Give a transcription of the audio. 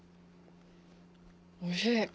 おいしい。